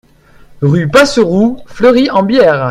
Rue Passeroux, Fleury-en-Bière